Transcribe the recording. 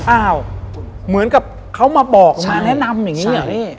อ้าวเหมือนกับเขามาบอกมาแนะนำอย่างนี้เหรอพี่